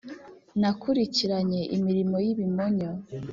nakurikiranye imirimo y'ibimonyo